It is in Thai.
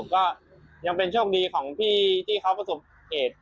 ก็ยังเป็นโชคดีของพี่ที่เขาประสบเหตุ